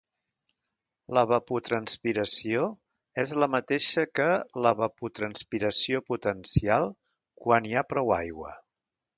L'evapotranspiració és la mateixa que l'evapotranspiració potencial quan hi ha prou aigua.